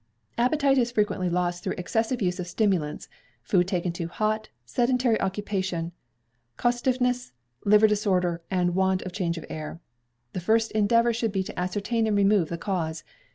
Appetite is frequently lost through excessive use of stimulants, food taken too hot, sedentary occupation, costiveness, liver disorder and want of change of air. The first endeavour should be to ascertain and remove the cause.